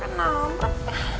kenapa pakai nabrak